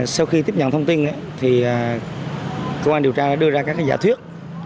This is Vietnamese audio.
sau khi tiếp nhận thông tin thì công an điều tra đưa ra các giả thuyết